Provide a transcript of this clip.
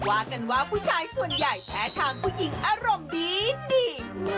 ว่ากันว่าผู้ชายส่วนใหญ่แพ้ทางผู้หญิงอารมณ์ดี